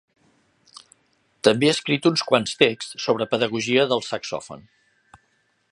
També ha escrit uns quants texts sobre pedagogia del saxòfon.